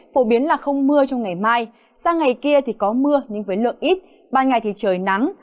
phổ biến là không mưa trong ngày mai sang ngày kia thì có mưa nhưng với lượng ít ba ngày thì trời nắng